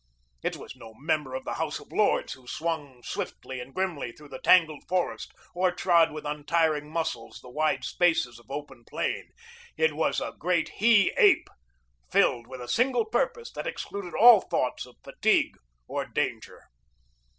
It was no member of the House of Lords who swung swiftly and grimly through the tangled forest or trod with untiring muscles the wide stretches of open plain it was a great he ape filled with a single purpose that excluded all thoughts of fatigue or danger.